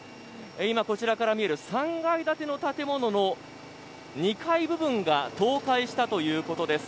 今、こちらから見る３階建ての建物の２階部分が倒壊したということです。